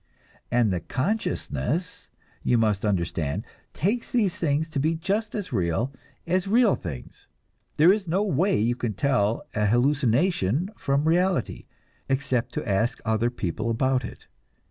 And the consciousness, you must understand, takes these things to be just as real as real things; there is no way you can tell an hallucination from reality except to ask other people about it.